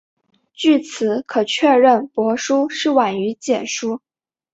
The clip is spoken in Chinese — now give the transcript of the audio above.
据此可确认帛书是晚于简书。